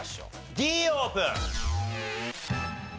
Ｄオープン。